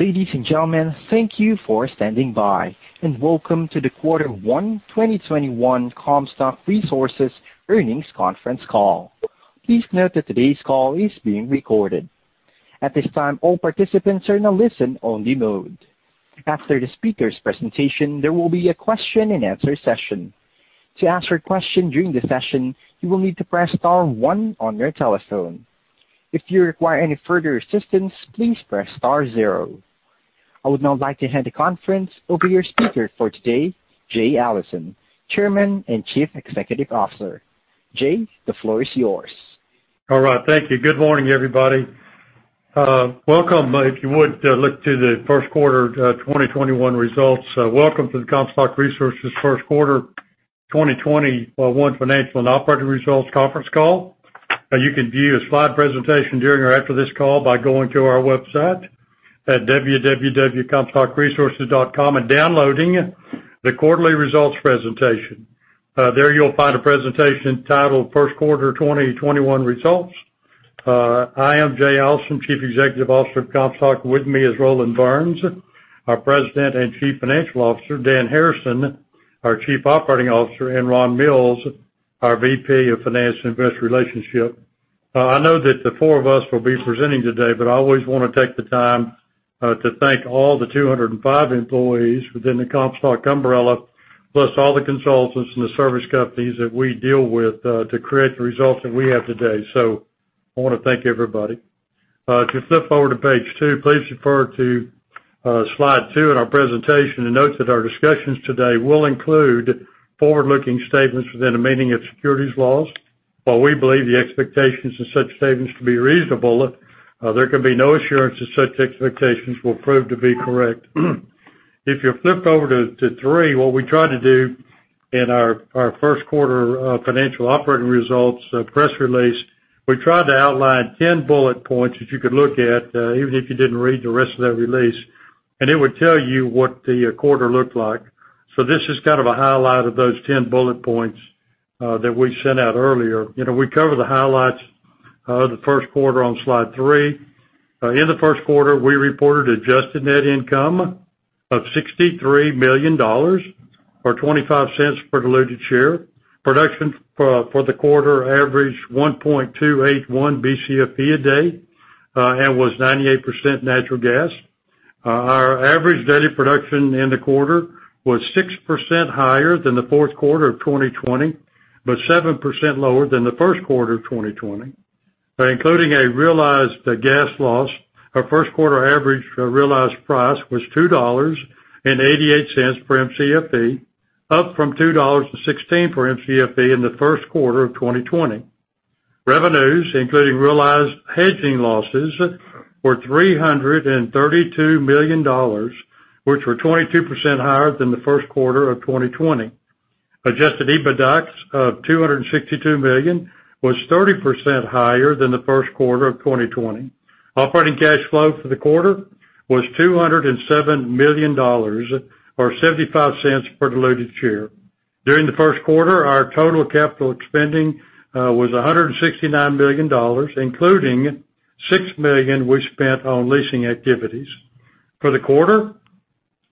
Ladies and gentlemen, thank you for standing by, and welcome to the Quarter One 2021 Comstock Resources Earnings Conference Call. Please note that today's call is being recorded. At this time, all participants are in a listen-only mode. After the speakers' presentation, there will be a question and answer session. To ask a question during the session, you will need to press star one on your telephone. If you require any further assistance, please press star then zero. I would now like to hand the conference over to your speaker for today, Jay Allison, Chairman and Chief Executive Officer. Jay, the floor is yours. All right. Thank you. Good morning, everybody. Welcome. If you would, look to the first quarter 2021 results. Welcome to the Comstock Resources First Quarter 2021 Financial and Operating Results Conference Call. You can view a slide presentation during or after this call by going to our website at www.comstockresources.com and downloading the quarterly results presentation. There you'll find a presentation titled First Quarter 2021 Results. I am Jay Allison, Chief Executive Officer of Comstock. With me is Roland Burns, our President and Chief Financial Officer, Dan Harrison, our Chief Operating Officer, and Ron Mills, our VP of Finance and Investor Relations. I know that the four of us will be presenting today, but I always want to take the time to thank all the 205 employees within the Comstock umbrella, plus all the consultants and the service companies that we deal with to create the results that we have today. I want to thank everybody. If you flip over to page two, please refer to slide two in our presentation. It notes that our discussions today will include forward-looking statements within the meaning of securities laws. While we believe the expectations of such statements to be reasonable, there can be no assurance that such expectations will prove to be correct. If you flip over to three, what we tried to do in our first quarter financial operating results press release, we tried to outline 10 bullet points that you could look at, even if you didn't read the rest of that release, and it would tell you what the quarter looked like. This is kind of a highlight of those 10 bullet points that we sent out earlier. We cover the highlights of the first quarter on slide three. In the first quarter, we reported adjusted net income of $63 million, or $0.25 per diluted share. Production for the quarter averaged 1.281 Bcfe a day and was 98% natural gas. Our average daily production in the quarter was 6% higher than the fourth quarter of 2020, but 7% lower than the first quarter of 2020. Including a realized gas loss, our first quarter average realized price was $2.88 per Mcfe, up from $2.16 per Mcfe in the first quarter of 2020. Revenues, including realized hedging losses, were $332 million, which were 22% higher than the first quarter of 2020. Adjusted EBITDAX of $262 million was 30% higher than the first quarter of 2020. Operating cash flow for the quarter was $207 million, or $0.75 per diluted share. During the first quarter, our total capital spending was $169 million, including $6 million we spent on leasing activities. For the quarter,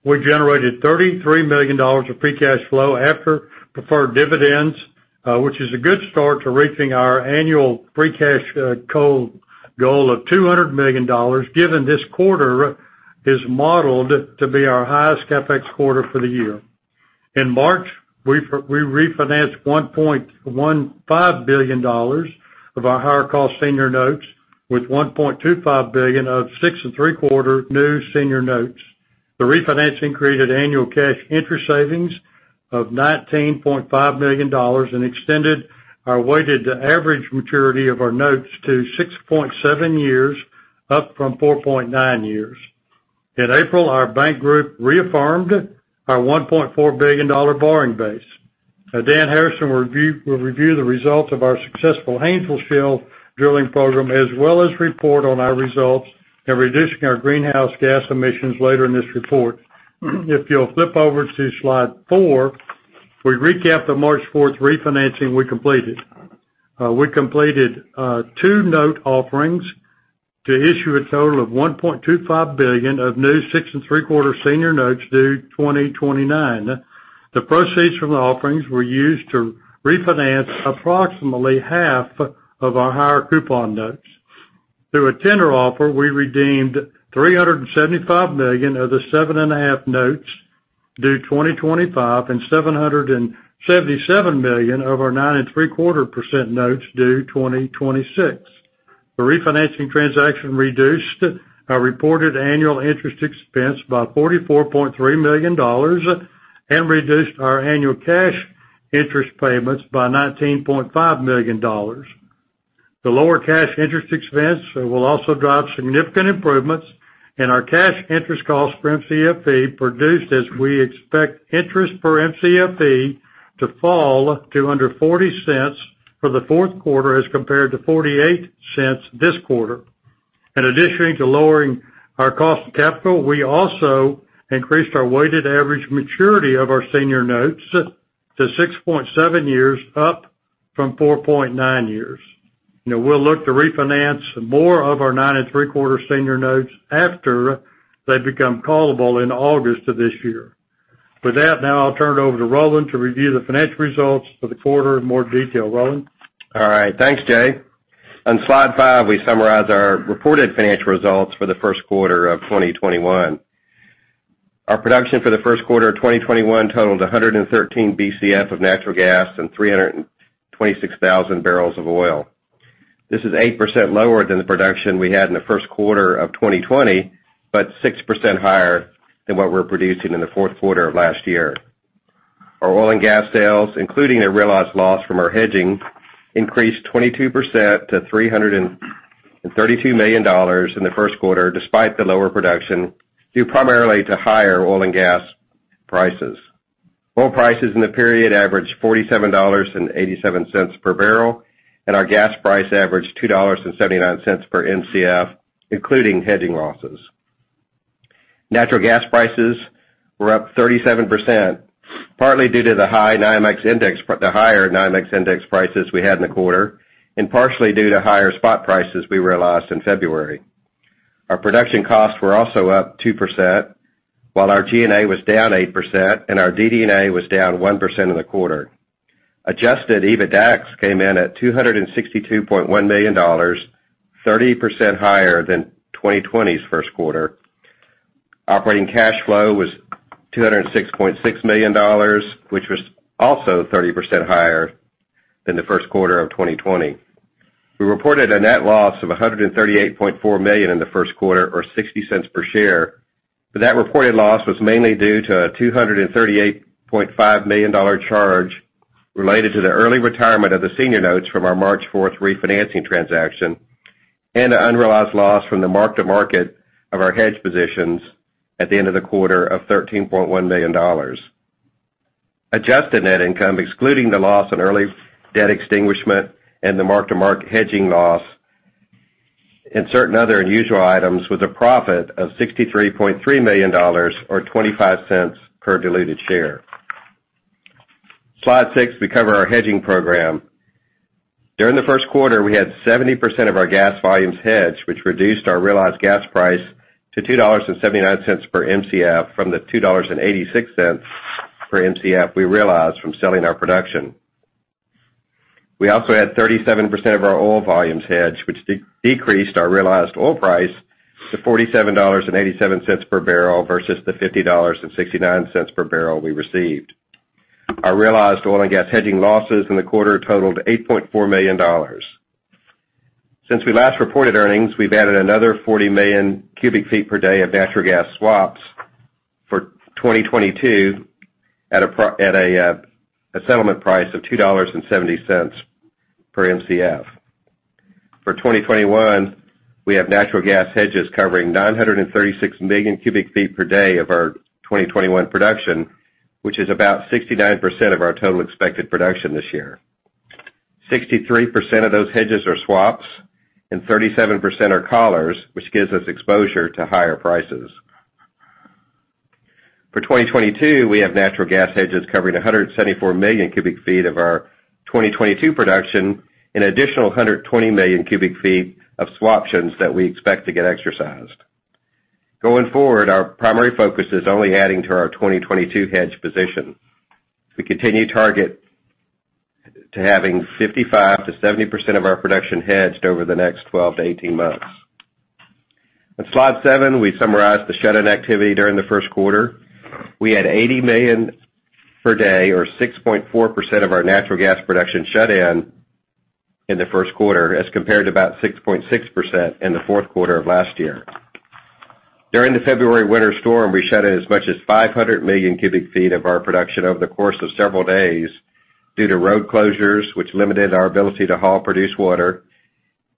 we generated $33 million of free cash flow after preferred dividends, which is a good start to reaching our annual free cash goal of $200 million, given this quarter is modeled to be our highest CapEx quarter for the year. In March, we refinanced $1.15 billion of our higher cost senior notes with $1.25 billion of six and three-quarter new senior notes. The refinancing created annual cash interest savings of $19.5 million and extended our weighted average maturity of our notes to 6.7 years, up from 4.9 years. In April, our bank group reaffirmed our $1.4 billion borrowing base. Dan Harrison will review the results of our successful Haynesville shale drilling program, as well as report on our results in reducing our greenhouse gas emissions later in this report. If you'll flip over to slide four, we recap the March 4th refinancing we completed. We completed two note offerings to issue a total of $1.25 billion of new six and three-quarter senior notes due 2029. The proceeds from the offerings were used to refinance approximately half of our higher coupon notes. Through a tender offer, we redeemed $375 million of the 7.5 notes due 2025 and $777 million of our nine and three-quarter percents notes due 2026. The refinancing transaction reduced our reported annual interest expense by $44.3 million and reduced our annual cash interest payments by $19.5 million. The lower cash interest expense will also drive significant improvements in our cash interest cost for Mcfe produced as we expect interest for Mcfe to fall to under $0.40 for the fourth quarter as compared to $0.48 this quarter. In addition to lowering our cost of capital, we also increased our weighted average maturity of our senior notes to 6.7 years, up from 4.9 years. We'll look to refinance more of our 9.75% senior notes after they become callable in August of this year. With that, now I'll turn it over to Roland to review the financial results for the quarter in more detail. Roland? All right. Thanks, Jay. On slide five, we summarize our reported financial results for the first quarter of 2021. Our production for the first quarter of 2021 totaled 113 Bcf of natural gas and 326,000 bbl of oil. This is 8% lower than the production we had in the first quarter of 2020, 6% higher than what we were producing in the fourth quarter of last year. Our oil and gas sales, including a realized loss from our hedging, increased 22% to $332 million in the first quarter, despite the lower production, due primarily to higher oil and gas prices. Oil prices in the period averaged $47.87 per bbl. Our gas price averaged $2.79 per Mcf, including hedging losses. Natural gas prices were up 37%, partly due to the higher NYMEX index prices we had in the quarter and partially due to higher spot prices we realized in February. Our production costs were also up 2%, while our G&A was down 8%, and our DD&A was down 1% in the quarter. Adjusted EBITDA came in at $262.1 million, 30% higher than 2020's first quarter. Operating cash flow was $206.6 million, which was also 30% higher than the first quarter of 2020. We reported a net loss of $138.4 million in the first quarter, or $0.60 per share, that reported loss was mainly due to a $238.5 million charge related to the early retirement of the senior notes from our March 4th refinancing transaction and an unrealized loss from the mark-to-market of our hedge positions at the end of the quarter of $13.1 million. Adjusted net income, excluding the loss on early debt extinguishment and the mark-to-market hedging loss in certain other unusual items, with a profit of $63.3 million or $0.25 per diluted share. Slide six, we cover our hedging program. During the first quarter, we had 70% of our gas volumes hedged, which reduced our realized gas price to $2.79 per Mcf from the $2.86 per Mcf we realized from selling our production. We also had 37% of our oil volumes hedged, which decreased our realized oil price to $47.87 per barrel versus the $50.69 per barrel we received. Our realized oil and natural gas hedging losses in the quarter totaled $8.4 million. Since we last reported earnings, we've added another 40 million cu ft per day of natural gas swaps for 2022 at a settlement price of $2.70 per Mcf. For 2021, we have natural gas hedges covering 936 million cu ft per day of our 2021 production, which is about 69% of our total expected production this year. 63% of those hedges are swaps and 37% are collars, which gives us exposure to higher prices. For 2022, we have natural gas hedges covering 174 million cu ft of our 2022 production, an additional 120 million cu ft of swaptions that we expect to get exercised. Going forward, our primary focus is only adding to our 2022 hedge position. We continue to target to having 55%-70% of our production hedged over the next 12-18 months. On slide seven, we summarize the shut-in activity during the first quarter. We had 80 million per day or 6.4% of our natural gas production shut in the first quarter, as compared to about 6.6% in the fourth quarter of last year. During the February winter storm, we shut in as much as 500 million cu ft of our production over the course of several days due to road closures which limited our ability to haul produced water,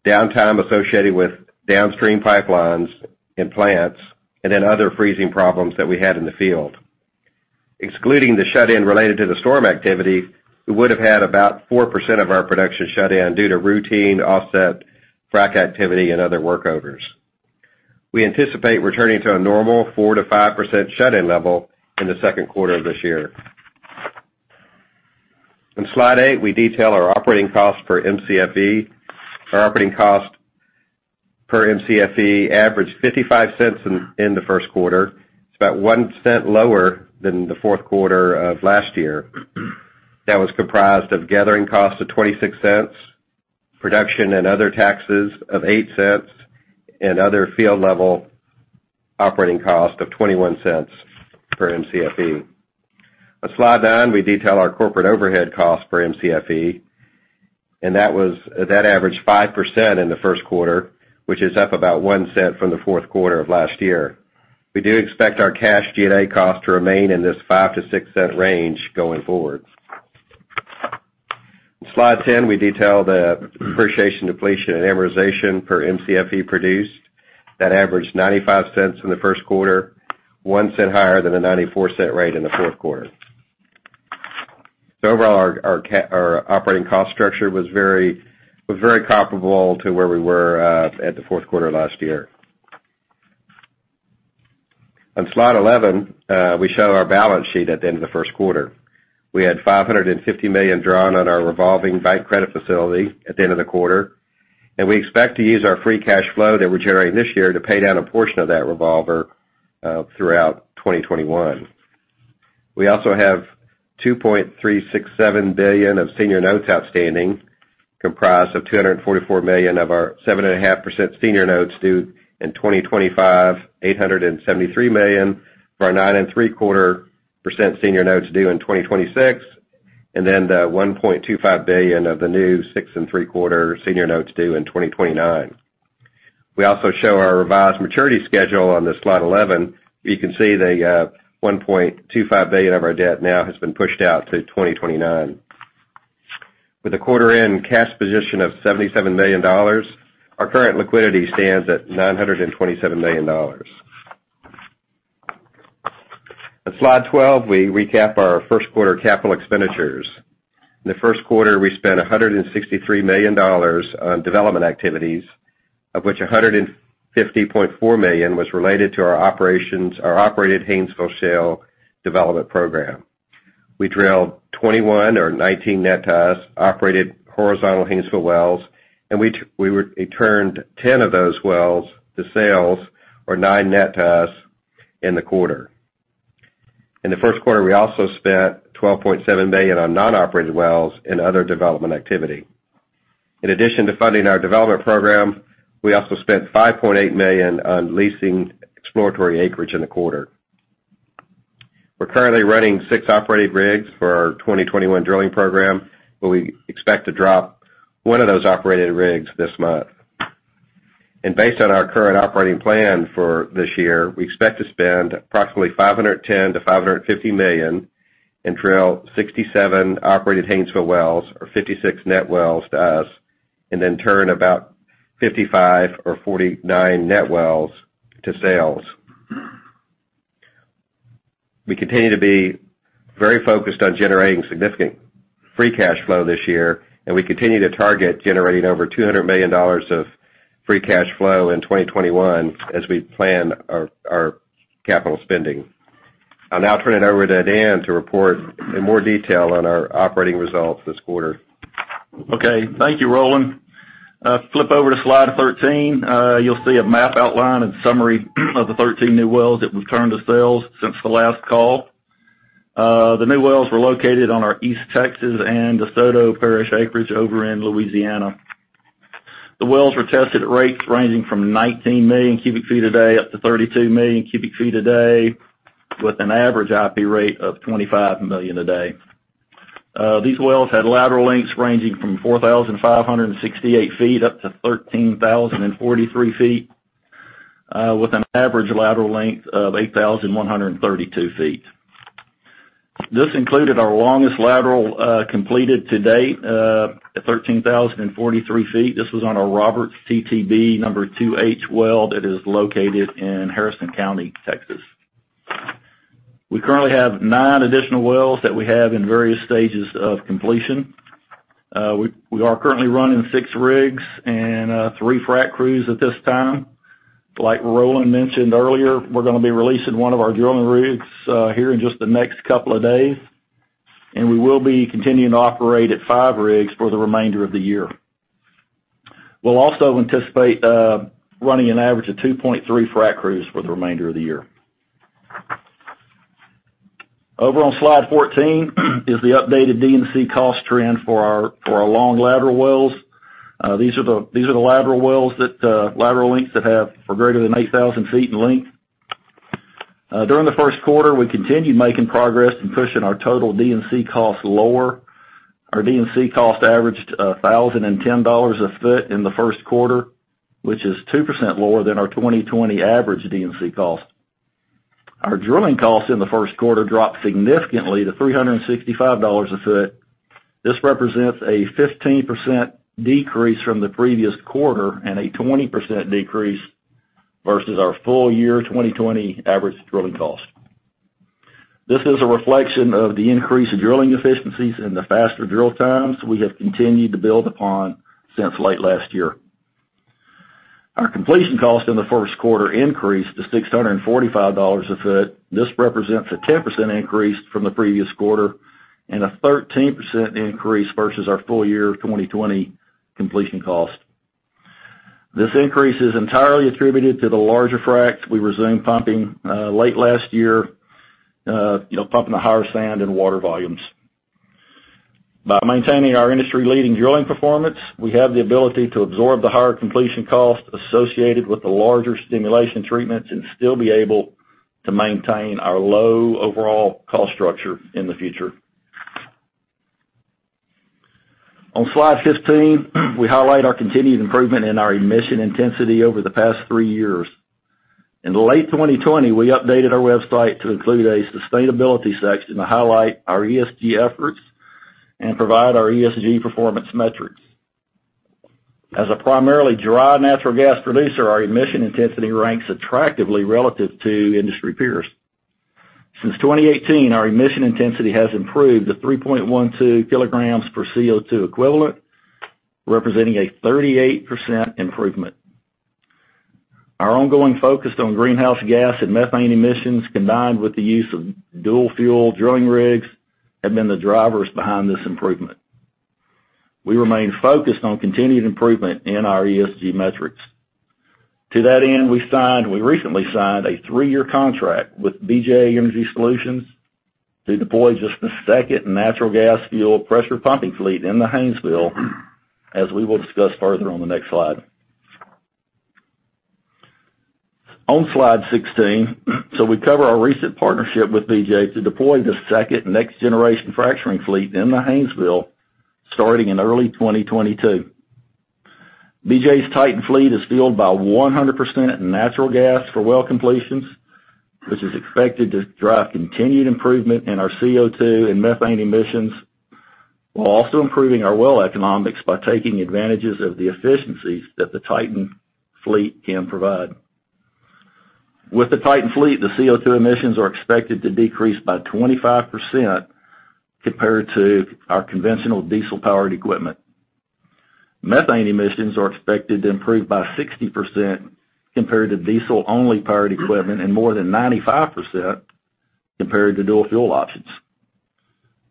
downtime associated with downstream pipelines and plants, and then other freezing problems that we had in the field. Excluding the shut-in related to the storm activity, we would have had about 4% of our production shut in due to routine offset frac activity and other workovers. We anticipate returning to a normal 4%-5% shut-in level in the second quarter of this year. On slide eight, we detail our operating cost per Mcfe. Our operating cost per Mcfe averaged $0.55 in the first quarter. It's about $0.01 lower than the fourth quarter of last year. That was comprised of gathering costs of $0.26, production and other taxes of $0.08, and other field-level operating cost of $0.21 per Mcfe. On slide nine, we detail our corporate overhead cost for Mcfe, that averaged 5% in the first quarter, which is up about $0.01 from the fourth quarter of last year. We do expect our cash G&A cost to remain in this $0.05-$0.06 range going forward. On slide 10, we detail the depreciation, depletion, and amortization per Mcfe produced. That averaged $0.95 in the first quarter, $0.01 higher than the $0.94 rate in the fourth quarter. Overall, our operating cost structure was very comparable to where we were at the fourth quarter of last year. On slide 11, we show our balance sheet at the end of the first quarter. We had $550 million drawn on our revolving bank credit facility at the end of the quarter, and we expect to use our free cash flow that we're generating this year to pay down a portion of that revolver throughout 2021. We also have $2.367 billion of senior notes outstanding, comprised of $244 million of our 7.5% senior notes due in 2025, $873 million for our 9.75% senior notes due in 2026, and then the $1.25 billion of the new 6.75 senior notes due in 2029. We also show our revised maturity schedule on this slide 11. You can see the $1.25 billion of our debt now has been pushed out to 2029. With a quarter-end cash position of $77 million, our current liquidity stands at $927 million. On slide 12, we recap our first quarter capital expenditures. In the first quarter, we spent $163 million on development activities, of which $150.4 million was related to our operated Haynesville shale development program. We drilled 21 or 19 net wells, operated horizontal Haynesville wells, and we turned 10 of those wells to sales, or nine net to us in the quarter. In the first quarter, we also spent $12.7 million on non-operated wells and other development activity. In addition to funding our development program, we also spent $5.8 million on leasing exploratory acreage in the quarter. We're currently running six operated rigs for our 2021 drilling program, but we expect to drop one of those operated rigs this month. Based on our current operating plan for this year, we expect to spend approximately $510 million-$550 million and drill 67 operated Haynesville wells or 56 net wells to us, and then turn about 55 or 49 net wells to sales. We continue to be very focused on generating significant free cash flow this year, and we continue to target generating over $200 million of free cash flow in 2021 as we plan our capital spending. I'll now turn it over to Dan to report in more detail on our operating results this quarter. Okay, thank you, Roland. Flip over to slide 13. You'll see a map outline and summary of the 13 new wells that we've turned to sales since the last call. The new wells were located on our East Texas and DeSoto Parish acreage over in Louisiana. The wells were tested at rates ranging from 19 million cu ft a day up to 32 million cu ft a day, with an average IP rate of 25 million a day. These wells had lateral lengths ranging from 4,568 ft-13,043 ft, with an average lateral length of 8,132 ft. This included our longest lateral completed to date, at 13,043 ft. This was on our Roberts TTB #2H well that is located in Harrison County, Texas. We currently have nine additional wells that we have in various stages of completion. We are currently running six rigs and three frac crews at this time. Like Roland mentioned earlier, we're gonna be releasing one of our drilling rigs here in just the next couple of days, and we will be continuing to operate at five rigs for the remainder of the year. We'll also anticipate running an average of 2.3 frac crews for the remainder of the year. Over on slide 14 is the updated D&C cost trend for our long lateral wells. These are the lateral wells, lateral lengths that are greater than 8,000 ft in length. During the first quarter, we continued making progress in pushing our total D&C costs lower. Our D&C cost averaged $1,010 a foot in the first quarter, which is 2% lower than our 2020 average D&C cost. Our drilling costs in the first quarter dropped significantly to $365 a foot. This represents a 15% decrease from the previous quarter and a 20% decrease versus our full year 2020 average drilling cost. This is a reflection of the increase in drilling efficiencies and the faster drill times we have continued to build upon since late last year. Our completion cost in the first quarter increased to $645 a foot. This represents a 10% increase from the previous quarter and a 13% increase versus our full year 2020 completion cost. This increase is entirely attributed to the larger fracs we resumed pumping late last year, pumping the higher sand and water volumes. By maintaining our industry-leading drilling performance, we have the ability to absorb the higher completion cost associated with the larger stimulation treatments and still be able to maintain our low overall cost structure in the future. On slide 15, we highlight our continued improvement in our emission intensity over the past three years. In late 2020, we updated our website to include a sustainability section to highlight our ESG efforts and provide our ESG performance metrics. As a primarily dry natural gas producer, our emission intensity ranks attractively relative to industry peers. Since 2018, our emission intensity has improved to 3.12 kg per CO2 equivalent, representing a 38% improvement. Our ongoing focus on greenhouse gas and methane emissions, combined with the use of dual fuel drilling rigs, have been the drivers behind this improvement. We remain focused on continued improvement in our ESG metrics. To that end, we recently signed a three-year contract with BJ Energy Solutions to deploy just the second natural gas fuel pressure pumping fleet in the Haynesville, as we will discuss further on the next slide. On slide 16, we cover our recent partnership with BJ to deploy the second next generation fracturing fleet in the Haynesville starting in early 2022. BJ's TITAN fleet is fueled by 100% natural gas for well completions, which is expected to drive continued improvement in our CO2 and methane emissions, while also improving our well economics by taking advantage of the efficiencies that the TITAN fleet can provide. With the TITAN fleet, the CO2 emissions are expected to decrease by 25% compared to our conventional diesel-powered equipment. Methane emissions are expected to improve by 60% compared to diesel-only powered equipment and more than 95% compared to dual fuel options.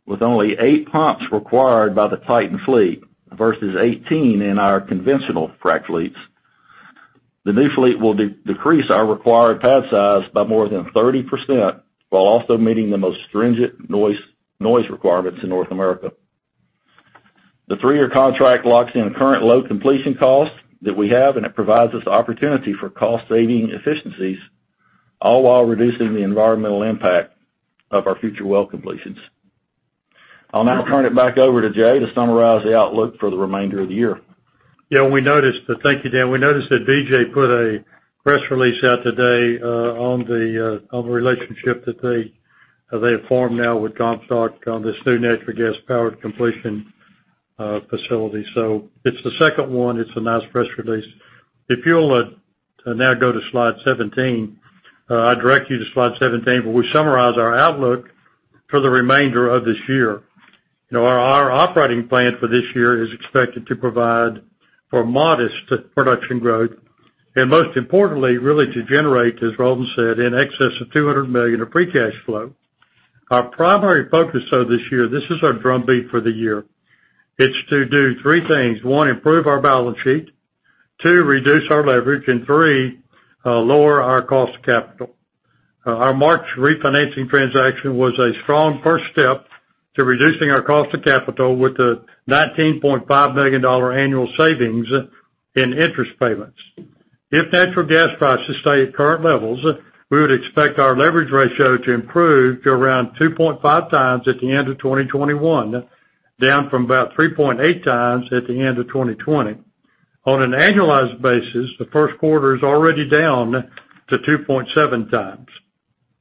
With only eight pumps required by the TITAN fleet versus 18 in our conventional frac fleets, the new fleet will decrease our required pad size by more than 30%, while also meeting the most stringent noise requirements in North America. The three-year contract locks in current low completion costs that we have, and it provides us opportunity for cost-saving efficiencies, all while reducing the environmental impact of our future well completions. I'll now turn it back over to Jay to summarize the outlook for the remainder of the year. Yeah. Thank you, Dan. We noticed that BJ put a press release out today on the relationship that they have formed now with Comstock on this new natural gas-powered completion facility. It's the second one. It's a nice press release. If you'll now go to slide 17. I direct you to slide 17, where we summarize our outlook for the remainder of this year. Our operating plan for this year is expected to provide for modest production growth, most importantly, really to generate, as Roland said, in excess of $200 million of free cash flow. Our primary focus, though, this year, this is our drumbeat for the year. It's to do three things. One, improve our balance sheet. Two, reduce our leverage. Three, lower our cost of capital. Our March refinancing transaction was a strong first step to reducing our cost of capital with a $19.5 million annual savings in interest payments. If natural gas prices stay at current levels, we would expect our leverage ratio to improve to around 2.5x at the end of 2021, down from about 3.8x at the end of 2020. On an annualized basis, the first quarter is already down to 2.7x.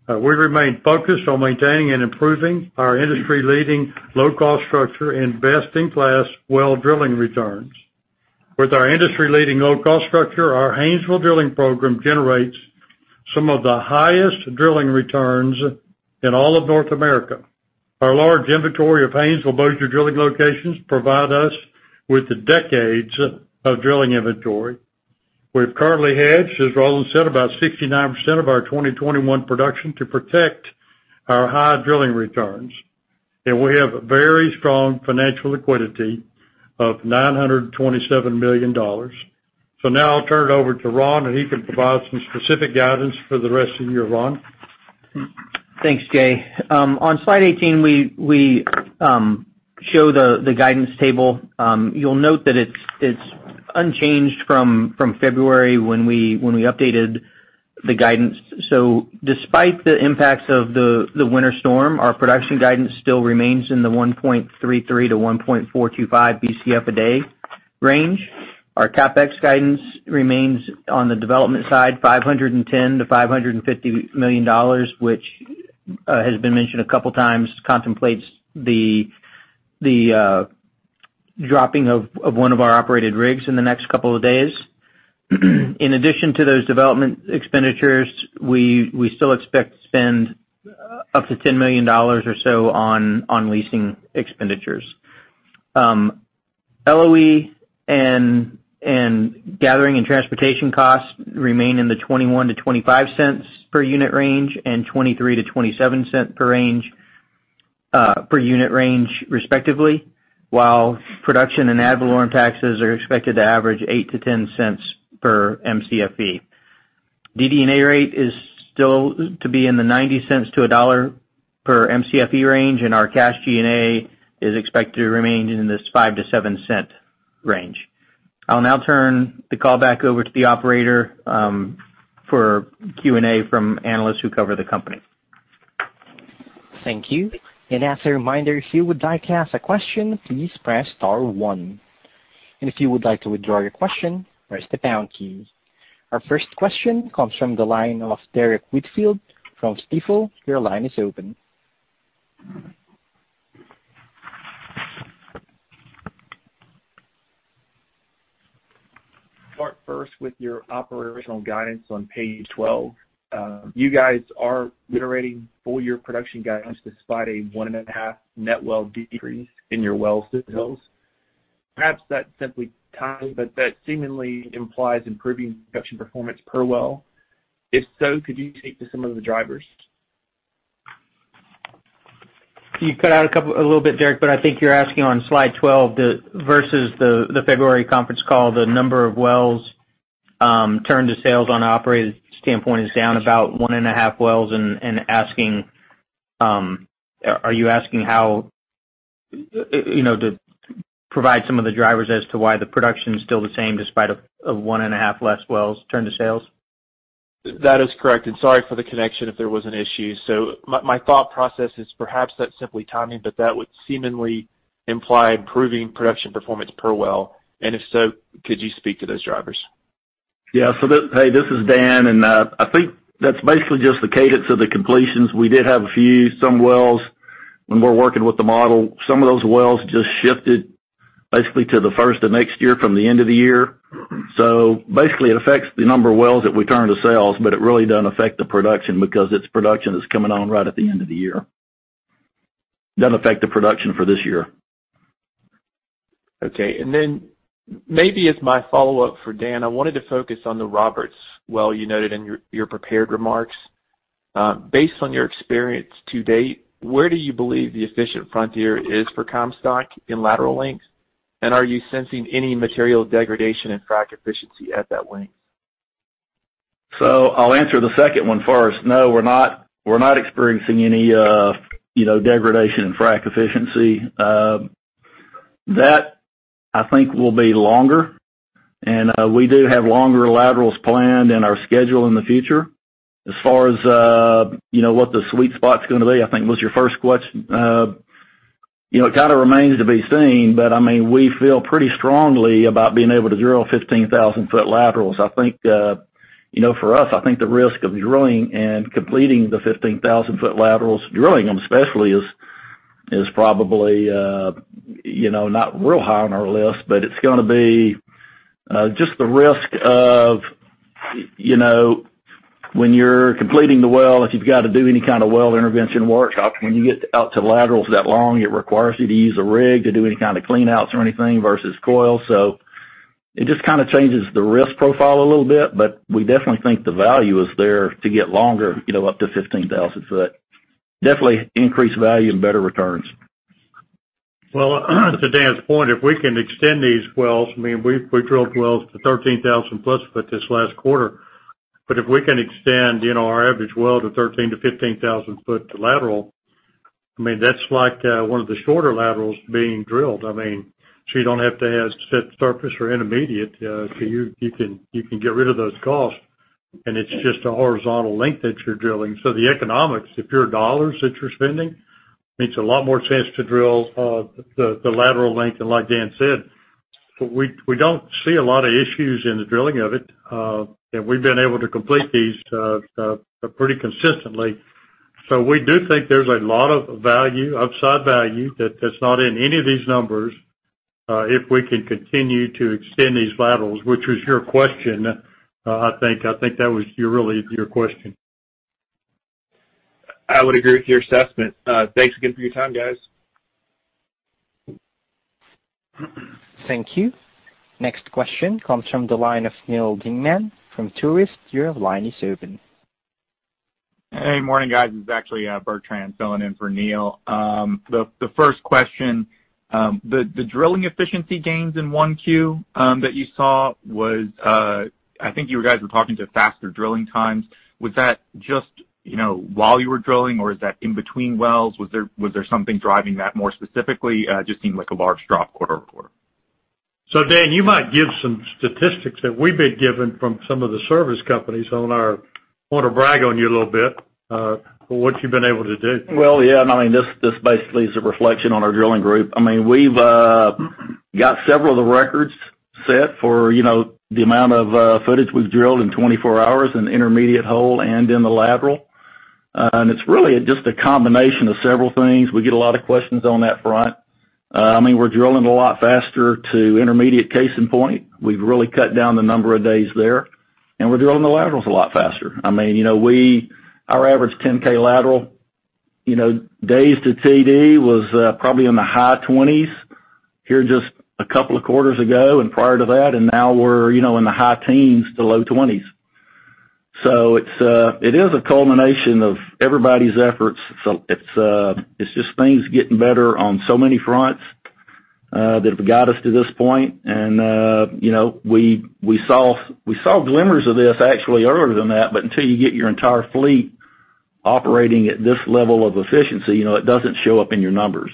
We remain focused on maintaining and improving our industry-leading low-cost structure and best-in-class well drilling returns. With our industry-leading low-cost structure, our Haynesville drilling program generates some of the highest drilling returns in all of North America. Our large inventory of Haynesville budget drilling locations provide us with decades of drilling inventory. We've currently hedged, as Roland said, about 69% of our 2021 production to protect our high drilling returns. We have very strong financial liquidity of $927 million. Now I'll turn it over to Ron, and he can provide some specific guidance for the rest of the year. Ron? Thanks, Jay. On slide 18, we show the guidance table. You'll note that it's unchanged from February when we updated the guidance. Despite the impacts of the winter storm, our production guidance still remains in the 1.33 Bcf-1.425 Bcf a day range. Our CapEx guidance remains on the development side, $510 million-$550 million, which has been mentioned a couple times, contemplates the dropping of one of our operated rigs in the next couple of days. In addition to those development expenditures, we still expect to spend up to $10 million or so on leasing expenditures. LOE and gathering and transportation costs remain in the $0.21-$0.25 per unit range and $0.23-$0.27 per unit range, respectively. While production and ad valorem taxes are expected to average $0.08-$0.10 per Mcfe. DD&A rate is still to be in the $0.90-$1 per Mcfe range, and our cash G&A is expected to remain in this $0.05-$0.07 range. I'll now turn the call back over to the operator for Q&A from analysts who cover the company. Thank you. As a reminder, if you would like to ask a question, please press star one. If you would like to withdraw your question, press the pound key. Our first question comes from the line of Derrick Whitfield from Stifel. Your line is open Start first with your operational guidance on page 12. You guys are reiterating full year production guidance despite a 1.5 net well decrease in your well sales. Perhaps that's simply timing, but that seemingly implies improving production performance per well. If so, could you speak to some of the drivers? You cut out a little bit, Derrick, I think you're asking on slide 12, versus the February conference call, the number of wells turned to sales on an operated standpoint is down about 1.5 wells. Are you asking how to provide some of the drivers as to why the production's still the same despite of 1.5 less wells turn to sales? That is correct. Sorry for the connection if there was an issue. My thought process is perhaps that's simply timing, but that would seemingly imply improving production performance per well. If so, could you speak to those drivers? Yeah. Hey, this is Dan, and I think that's basically just the cadence of the completions. We did have a few. When we're working with the model, some of those wells just shifted basically to the first of next year from the end of the year. Basically, it affects the number of wells that we turn to sales, but it really doesn't affect the production because its production is coming on right at the end of the year. Doesn't affect the production for this year. Okay. Maybe as my follow-up for Dan, I wanted to focus on the Roberts well you noted in your prepared remarks. Based on your experience to date, where do you believe the efficient frontier is for Comstock in lateral length? Are you sensing any material degradation in frack efficiency at that length? I'll answer the second one first. No, we're not experiencing any degradation in frack efficiency. That, I think, will be longer, and we do have longer laterals planned in our schedule in the future. As far as what the sweet spot's going to be, I think was your first question. It kind of remains to be seen, but we feel pretty strongly about being able to drill 15,000 ft laterals. For us, I think the risk of drilling and completing the 15,000 ft laterals, drilling them especially, is probably not real high on our list, but it's going to be just the risk of when you're completing the well, if you've got to do any kind of well intervention work. When you get out to laterals that long, it requires you to use a rig to do any kind of cleanouts or anything versus coil. It just kind of changes the risk profile a little bit, but we definitely think the value is there to get longer, up to 15,000 ft. Definitely increased value and better returns. Well, to Dan's point, if we can extend these wells, we drilled wells to 13,000+ ft this last quarter. If we can extend our average well to 13,000 ft-15,000 ft lateral, that's like one of the shorter laterals being drilled. You don't have to have set surface or intermediate. You can get rid of those costs, and it's just a horizontal length that you're drilling. The economics, if your dollars that you're spending makes a lot more sense to drill the lateral length. Like Dan said, we don't see a lot of issues in the drilling of it. We've been able to complete these pretty consistently. We do think there's a lot of upside value that's not in any of these numbers. If we can continue to extend these laterals, which was your question. I think that was really your question. I would agree with your assessment. Thanks again for your time, guys. Thank you. Next question comes from the line of Neal Dingmann from Truist. Your line is open. Hey, morning, guys. This is actually Bertrand filling in for Neal. The first question. The drilling efficiency gains in 1Q that you saw was, I think you guys were talking to faster drilling times. Was that just while you were drilling or is that in between wells? Was there something driving that more specifically? Just seemed like a large drop quarter-over-quarter. Dan, you might give some statistics that we've been given from some of the service companies. I want to brag on you a little bit, for what you've been able to do. Well, yeah, this basically is a reflection on our drilling group. We've got several of the records set for the amount of footage we've drilled in 24 hours in the intermediate hole and in the lateral. It's really just a combination of several things. We get a lot of questions on that front. We're drilling a lot faster to intermediate casing point. We've really cut down the number of days there, and we're drilling the laterals a lot faster. Our average 10K lateral days to TD was probably in the high 20s here just a couple of quarters ago and prior to that, and now we're in the high teens to low 20s. It is a culmination of everybody's efforts. It's just things getting better on so many fronts that have got us to this point. We saw glimmers of this actually earlier than that. Until you get your entire fleet operating at this level of efficiency, it doesn't show up in your numbers.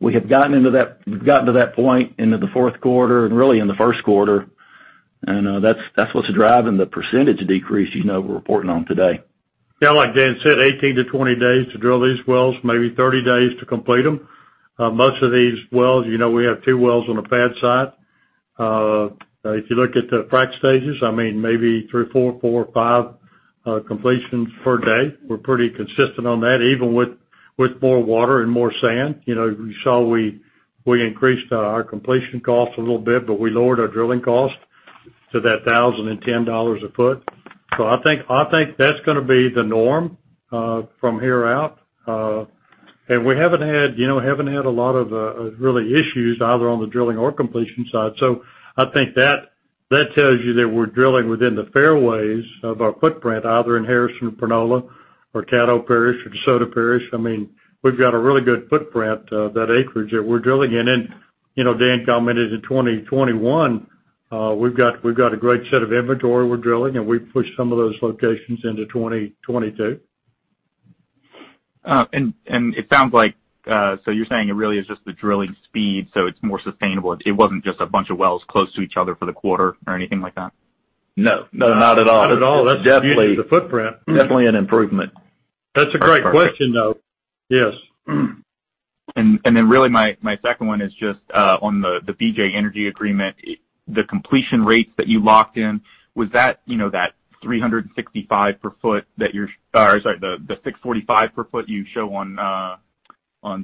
We have gotten to that point into the fourth quarter and really in the first quarter. That's what's driving the percentage decrease we're reporting on today. Yeah, like Dan said, 18-20 days to drill these wells, maybe 30 days to complete them. Most of these wells, we have two wells on a pad site. If you look at the frack stages, maybe three, four, five. Our completions per day, we're pretty consistent on that, even with more water and more sand. You saw we increased our completion cost a little bit, but we lowered our drilling cost to that $1,010 a foot. I think that's going to be the norm from here out. We haven't had a lot of really issues either on the drilling or completion side. I think that tells you that we're drilling within the fairways of our footprint, either in Harrison and Panola or Caddo Parish or DeSoto Parish. We've got a really good footprint of that acreage that we're drilling in. Dan commented in 2021, we've got a great set of inventory we're drilling, and we've pushed some of those locations into 2022. It sounds like, so you're saying it really is just the drilling speed, so it's more sustainable. It wasn't just a bunch of wells close to each other for the quarter or anything like that? No. No, not at all. Not at all. That's the beauty of the footprint. Definitely an improvement. That's a great question, though. Yes. Really, my second one is just on the BJ Energy agreement. The completion rates that you locked in, was that 365 per ft or sorry, the 645 per ft you show on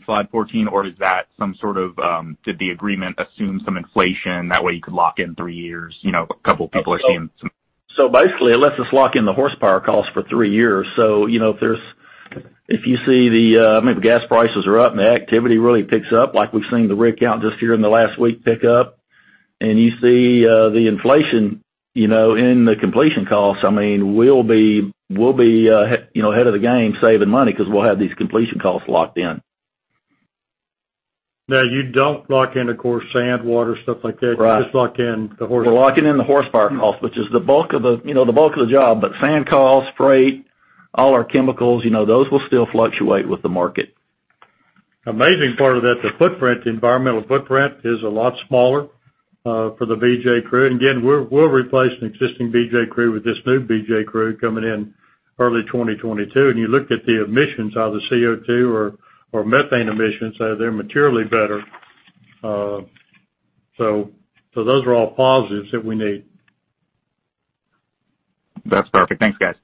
slide 14, or is that some sort of, did the agreement assume some inflation that way you could lock in three years? Basically, it lets us lock in the horsepower cost for three years. If you see, I mean, if the gas prices are up and the activity really picks up, like we've seen the rig count just here in the last week pick up, and you see the inflation in the completion cost, we'll be ahead of the game saving money because we'll have these completion costs locked in. You don't lock in, of course, sand, water, stuff like that. Right. You just lock in the horsepower. We're locking in the horsepower cost, which is the bulk of the job. Sand cost, freight, all our chemicals, those will still fluctuate with the market. Amazing part of that, the footprint, environmental footprint is a lot smaller for the BJ crew. Again, we'll replace an existing BJ crew with this new BJ crew coming in early 2022. You look at the emissions, either CO2 or methane emissions, they're materially better. Those are all positives that we need. That's perfect. Thanks, guys.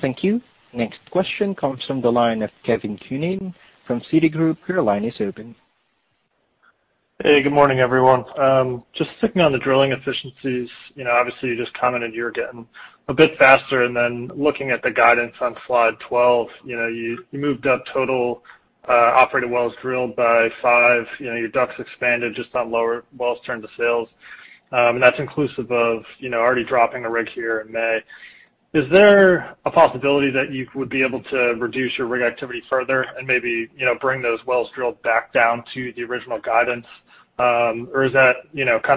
Thank you. Next question comes from the line of Kevin Cunane from Citigroup. Your line is open. Hey, good morning, everyone. Sticking on the drilling efficiencies. You just commented you're getting a bit faster, looking at the guidance on slide 12, you moved up total operated wells drilled by five. Your DUCs expanded just on lower wells turned to sales. That's inclusive of already dropping a rig here in May. Is there a possibility that you would be able to reduce your rig activity further and maybe bring those wells drilled back down to the original guidance? Is that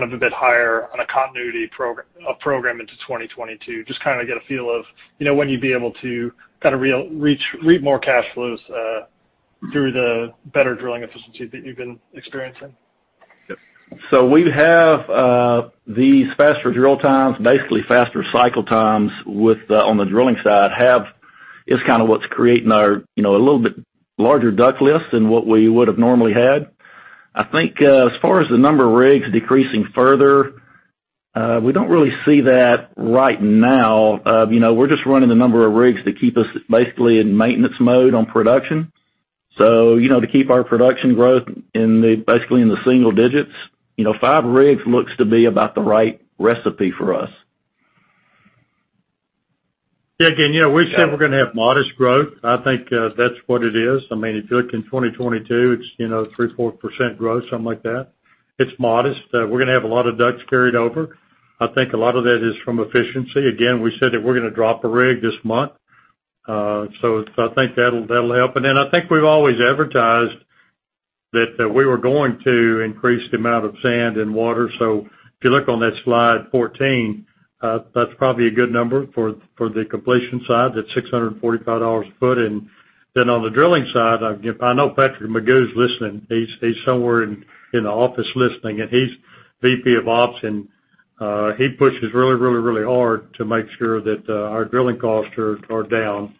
a bit higher on a continuity program into 2022? Get a feel of when you'd be able to reap more cash flows through the better drilling efficiency that you've been experiencing. We have these faster drill times, basically faster cycle times on the drilling side, it's what's creating our little bit larger DUC list than what we would've normally had. I think as far as the number of rigs decreasing further, we don't really see that right now. We're just running the number of rigs to keep us basically in maintenance mode on production. To keep our production growth basically in the single digits. Five rigs looks to be about the right recipe for us. Kevin, we said we're going to have modest growth. I think that's what it is. If you look in 2022, it's 3%, 4% growth, something like that. It's modest. We're going to have a lot of DUCs carried over. I think a lot of that is from efficiency. We said that we're going to drop a rig this month. I think that'll help. I think we've always advertised that we were going to increase the amount of sand and water. If you look on that slide 14, that's probably a good number for the completion side, that $645 a foot. On the drilling side, I know Patrick McGough's listening. He's somewhere in the office listening, and he's VP of Ops, and he pushes really, really hard to make sure that our drilling costs are down.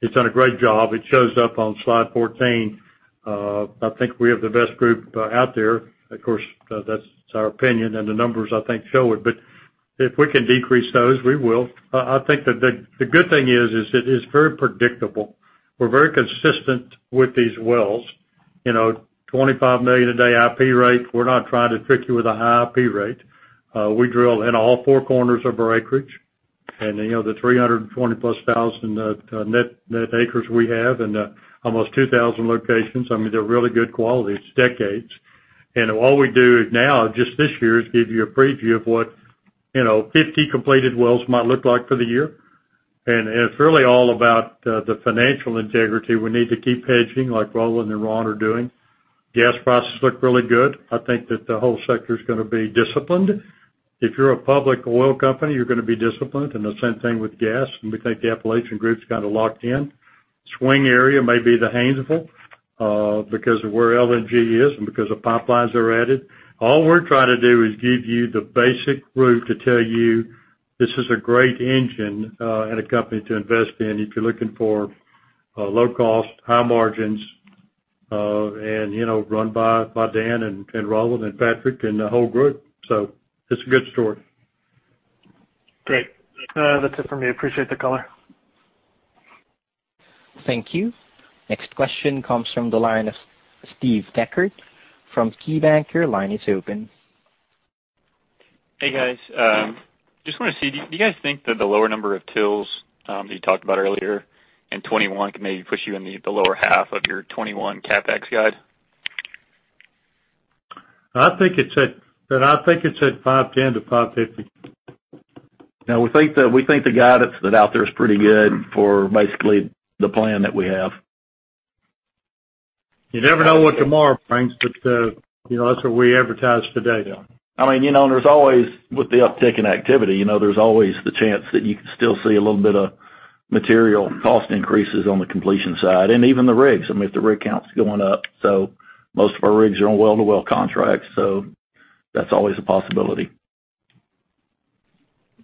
He's done a great job. It shows up on slide 14. I think we have the best group out there. Of course, that's our opinion, the numbers, I think, show it. If we can decrease those, we will. I think that the good thing is it is very predictable. We're very consistent with these wells. 25 million a day IP rate. We're not trying to trick you with a high IP rate. We drill in all four corners of our acreage. The 320,000+ net acres we have and almost 2,000 locations, I mean, they're really good quality. It's decades. All we do now, just this year, is give you a preview of what 50 completed wells might look like for the year. It's really all about the financial integrity we need to keep hedging like Roland and Ron are doing. Gas prices look really good. I think that the whole sector's going to be disciplined. If you're a public oil company, you're going to be disciplined, and the same thing with gas. We think the Appalachian group's locked in. Swing area may be the Haynesville because of where LNG is and because the pipelines are added. All we're trying to do is give you the basic route to tell you this is a great engine and a company to invest in if you're looking for low cost, high margins. Run by Dan and Roland and Patrick, and the whole group. It's a good story. Great. That's it from me. Appreciate the color. Thank you. Next question comes from the line of Steve Dechert from KeyBanc. Your line is open. Hey, guys. Just want to see, do you guys think that the lower number of TILs that you talked about earlier in 2021 can maybe push you in the lower half of your 2021 CapEx guide? I think it's at 510-550. No, we think the guidance that's out there is pretty good for basically the plan that we have. You never know what tomorrow brings, but that's what we advertise today. With the uptick in activity, there's always the chance that you can still see a little bit of material cost increases on the completion side, and even the rigs, if the rig count's going up. Most of our rigs are on well-to-well contracts, so that's always a possibility.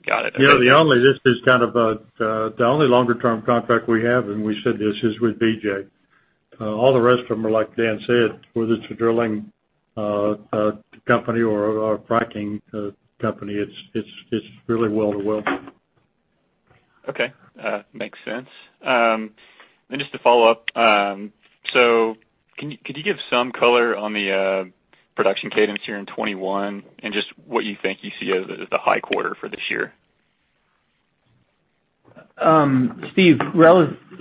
Got it. The only longer term contract we have, and we said this, is with BJ. All the rest of them are, like Dan said, whether it's a drilling company or a fracking company, it's really well to well. Okay. Makes sense. Just to follow up, could you give some color on the production cadence here in 2021 and just what you think you see as the high quarter for this year? Steve,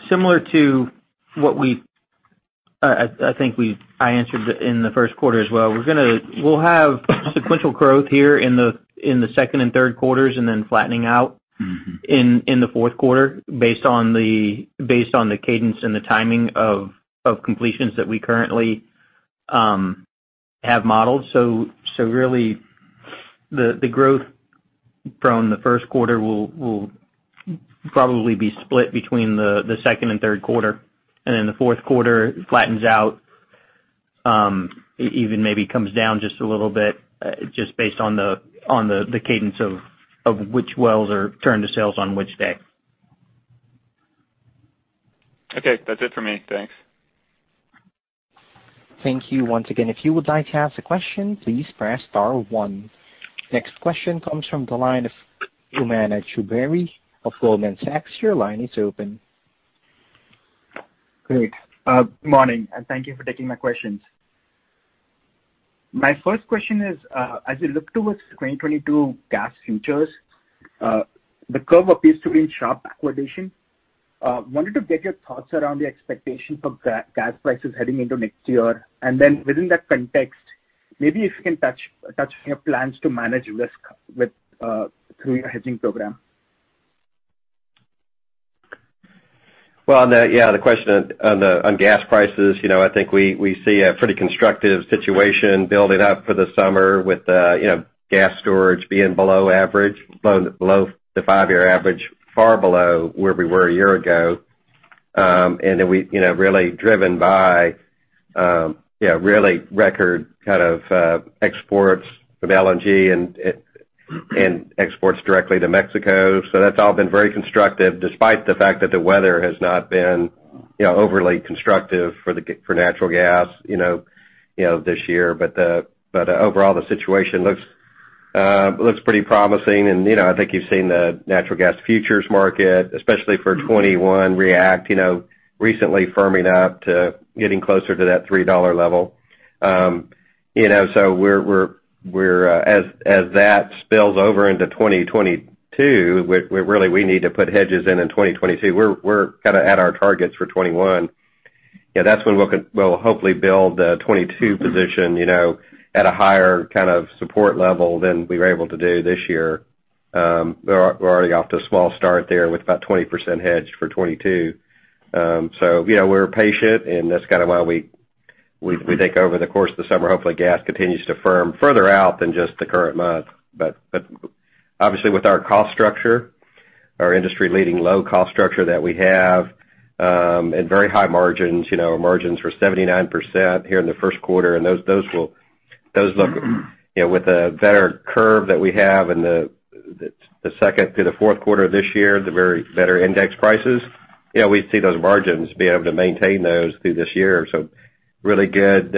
similar to what I think I answered in the first quarter as well, we'll have sequential growth here in the second and third quarters, and then flattening out in the fourth quarter based on the cadence and the timing of completions that we currently have modeled. Really, the growth from the first quarter will probably be split between the second and third quarter, and then the fourth quarter flattens out, even maybe comes down just a little bit, just based on the cadence of which wells are turned to sales on which day. Okay, that's it for me. Thanks. Thank you once again. If you would like to ask a question, please press star one. Next question comes from the line of Umang Choudhary of Goldman Sachs. Your line is open. Great. Morning. Thank you for taking my questions. My first question is, as we look towards 2022 natural gas futures, the curve appears to be in sharp backwardation. Wanted to get your thoughts around the expectation for natural gas prices heading into next year. Then within that context, maybe if you can touch on your plans to manage risk through your hedging program. Well, yeah, the question on gas prices, I think we see a pretty constructive situation building up for the summer with gas storage being below the five-year average, far below where we were a year ago. Really driven by really record exports of LNG and exports directly to Mexico. That's all been very constructive despite the fact that the weather has not been overly constructive for natural gas this year. Overall, the situation looks pretty promising, and I think you've seen the natural gas futures market, especially for 2021, react, recently firming up to getting closer to that $3 level. As that spills over into 2022, really, we need to put hedges in in 2022. We're kind of at our targets for 2021. That's when we'll hopefully build the 2022 position at a higher support level than we were able to do this year. We're already off to a small start there with about 20% hedged for 2022. We're patient, and that's why we think over the course of the summer, hopefully gas continues to firm further out than just the current month. Obviously, with our cost structure, our industry-leading low cost structure that we have, and very high margins were 79% here in the first quarter, and those look, with a better curve that we have in the second through the fourth quarter of this year, the very better index prices, we see those margins, being able to maintain those through this year. Really good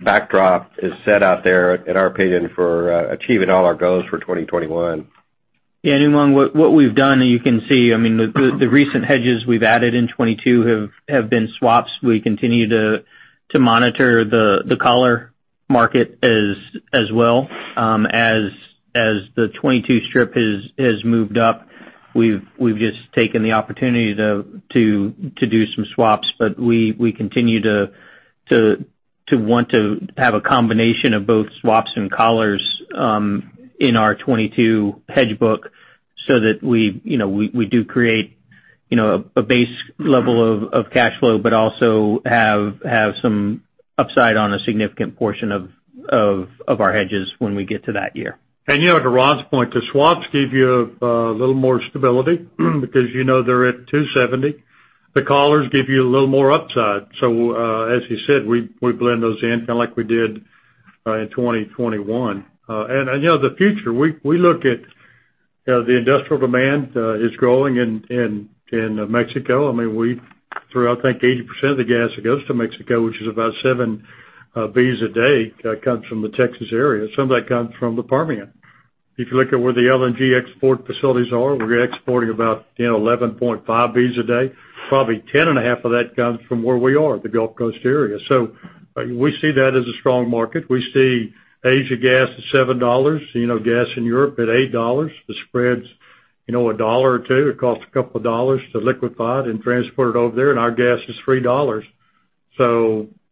backdrop is set out there, in our opinion, for achieving all our goals for 2021. Umang, what we've done, you can see, the recent hedges we've added in 2022 have been swaps. We continue to monitor the collar market as well. As the 2022 strip has moved up, we've just taken the opportunity to do some swaps. We continue to want to have a combination of both swaps and collars in our 2022 hedge book so that we do create a base level of cash flow, but also have some upside on a significant portion of our hedges when we get to that year. To Ron's point, the swaps give you a little more stability because you know they're at 270. The collars give you a little more upside. As you said, we blend those in kind of like we did in 2021. The future, we look at the industrial demand is growing in Mexico. I think 80% of the gas that goes to Mexico, which is about 7 Bcf a day, comes from the Texas area. Some of that comes from the Permian. If you look at where the LNG export facilities are, we're exporting about 11.5 Bcf a day. Probably 10.5 of that comes from where we are, the Gulf Coast area. We see that as a strong market. We see Asia gas is $7, gas in Europe at $8. The spread's $1 or $2. It costs a couple of dollars to liquefy it and transport it over there. Our gas is $3.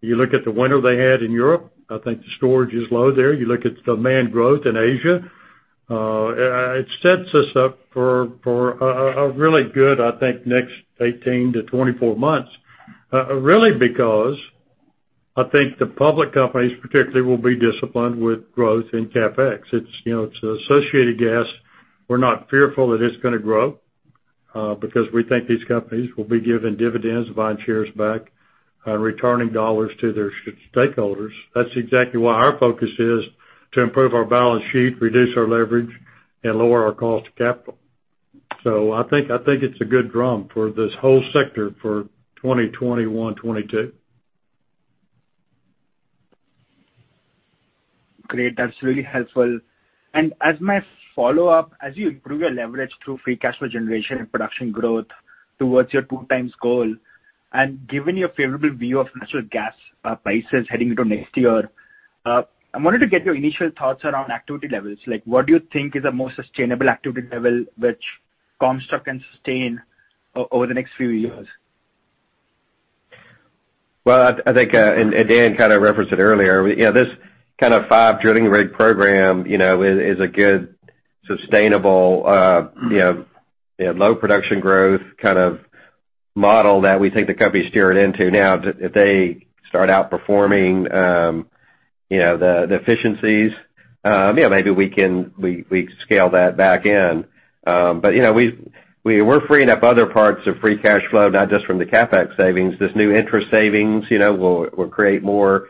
You look at the winter they had in Europe, I think the storage is low there. You look at demand growth in Asia, it sets us up for a really good, I think, next 18-24 months. Really because I think the public companies particularly will be disciplined with growth in CapEx. It's associated gas. We're not fearful that it's going to grow, because we think these companies will be giving dividends, buying shares back, and returning dollars to their stakeholders. That's exactly what our focus is, to improve our balance sheet, reduce our leverage, and lower our cost of capital. I think it's a good drum for this whole sector for 2021, 2022. Great. That's really helpful. As my follow-up, as you improve your leverage through free cash flow generation and production growth towards your two times goal, and given your favorable view of natural gas prices heading into next year, I wanted to get your initial thoughts around activity levels. What do you think is the most sustainable activity level which Comstock can sustain over the next few years? Well, I think, and Dan kind of referenced it earlier, this kind of five drilling rig program is a good sustainable low production growth kind of model that we think the company's steering into. Now, if they start outperforming the efficiencies, maybe we scale that back in. We're freeing up other parts of free cash flow, not just from the CapEx savings. This new interest savings will create more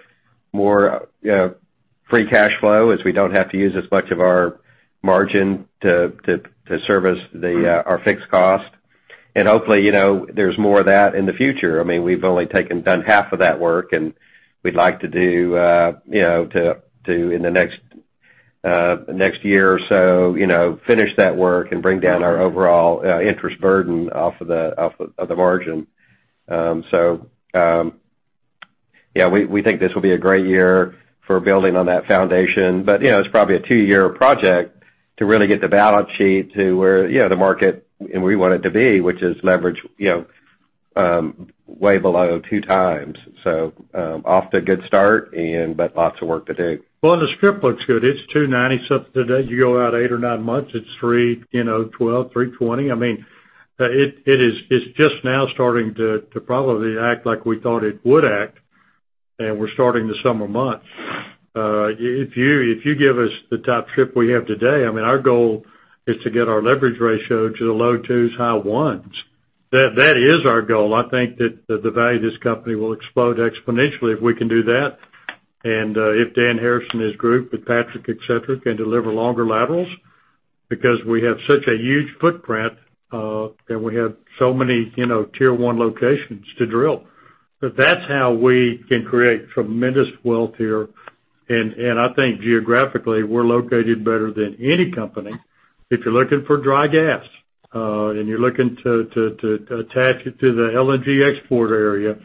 free cash flow as we don't have to use as much of our margin to service our fixed cost. Hopefully, there's more of that in the future. We've only done half of that work, we'd like to, in the next year or so, finish that work and bring down our overall interest burden off of the margin. We think this will be a great year for building on that foundation. It's probably a two-year project to really get the balance sheet to where the market and we want it to be, which is leverage way below 2x. Off to a good start, but lots of work to do. Well, the strip looks good. It's $2.90 something today. You go out eight or nine months, it's $3.12, $3.20. It's just now starting to probably act like we thought it would act, we're starting the summer months. If you give us the top strip we have today, our goal is to get our leverage ratio to the low 2s, high 1s. That is our goal. I think that the value of this company will explode exponentially if we can do that, and if Dan Harrison and his group, with Patrick, et cetera, can deliver longer laterals. We have such a huge footprint, and we have so many tier one locations to drill. That's how we can create tremendous wealth here. I think geographically, we're located better than any company if you're looking for dry gas, and you're looking to attach it to the LNG export area.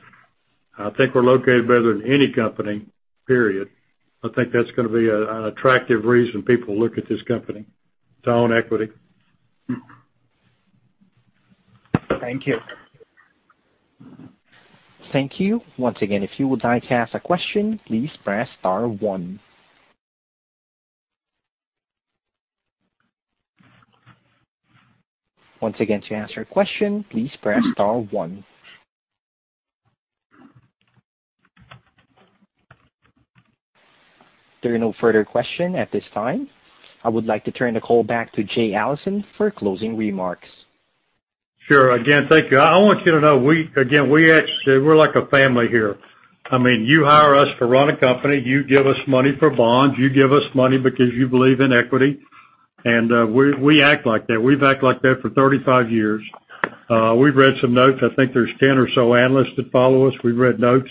I think we're located better than any company, period. I think that's going to be an attractive reason people look at this company. Its own equity. Thank you. Thank you. Once again, if you would like to ask a question, please press star one. Once again, to ask your question, please press star one. There are no further question at this time. I would like to turn the call back to Jay Allison for closing remarks. Sure. Again, thank you. I want you to know, again, we're like a family here. You hire us to run a company. You give us money for bonds. You give us money because you believe in equity. We act like that. We've acted like that for 35 years. We've read some notes. I think there's 10 or so analysts that follow us. We've read notes.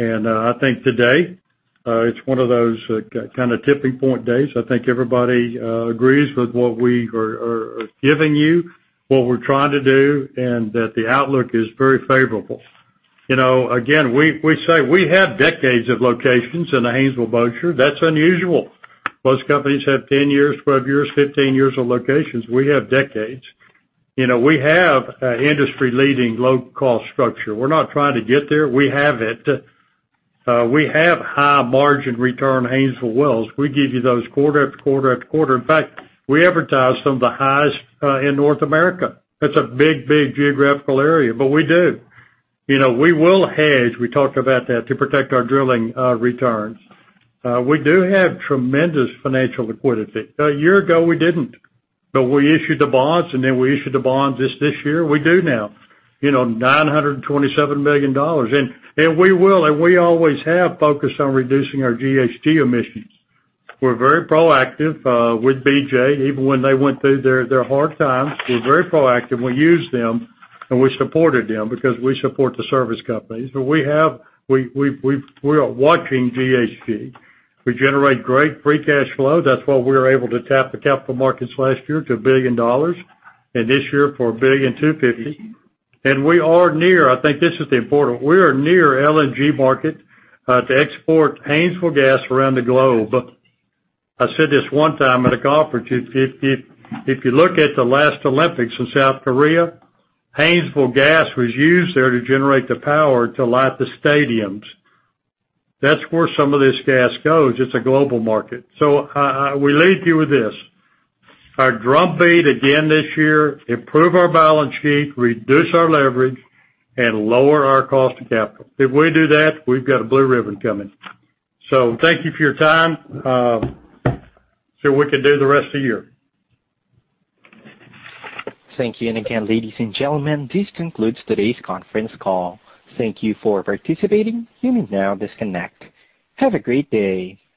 I think today, it's one of those kind of tipping point days. I think everybody agrees with what we are giving you, what we're trying to do, and that the outlook is very favorable. Again, we say we have decades of locations in the Haynesville-Bossier. That's unusual. Most companies have 10 years, 12 years, 15 years of locations. We have decades. We have industry-leading low-cost structure. We're not trying to get there. We have it. We have high margin return Haynesville wells. We give you those quarter after quarter after quarter. In fact, we advertise some of the highest in North America. That's a big, big geographical area. We do. We will hedge, we talked about that, to protect our drilling returns. We do have tremendous financial liquidity. A year ago, we didn't. We issued the bonds, and then we issued the bonds this year. We do now. $927 million. We will, and we always have, focused on reducing our GHG emissions. We're very proactive with BJ, even when they went through their hard times. We're very proactive. We used them, and we supported them because we support the service companies. We are watching GHG. We generate great free cash flow. That's why we were able to tap the capital markets last year to $1 billion, and this year for [$1.25 billion]. We are near, I think this is important, we are near LNG market to export Haynesville gas around the globe. I said this one time at a conference, if you look at the last Olympics in South Korea, Haynesville gas was used there to generate the power to light the stadiums. That's where some of this gas goes. It's a global market. I will leave you with this. Our drumbeat again this year, improve our balance sheet, reduce our leverage, and lower our cost of capital. If we do that, we've got a blue ribbon coming. Thank you for your time. See what we can do the rest of the year. Thank you. And again, ladies and gentlemen, this concludes today's conference call. Thank you for participating. You may now disconnect. Have a great day.